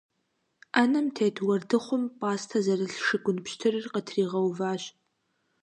Ӏэнэм тет уэрдыхъум пӏастэ зэрылъ шыгун пщтырыр къытригъэуващ.